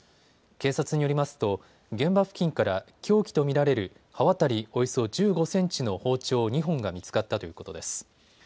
警察によりますと現場付近から凶器と見られる刃渡りおよそ１５センチの包丁２本が見つかったということです。